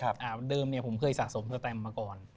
เดิมเนี่ยผมเคยสะสมสแตมมาก่อน